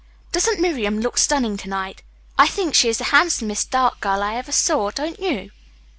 "Doesn't Miriam look stunning to night? I think she is the handsomest dark girl I ever saw, don't you?"